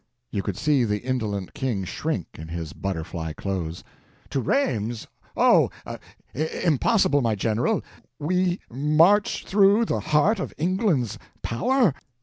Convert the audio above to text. You could see the indolent King shrink, in his butterfly clothes. "To Rheims—oh, impossible, my General! We march through the heart of England's power?"